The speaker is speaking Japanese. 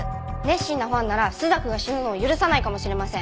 熱心なファンなら朱雀が死ぬのを許さないかもしれません。